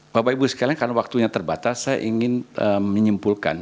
bapak ibu sekalian karena waktunya terbatas saya ingin menyimpulkan